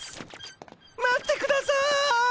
待ってください！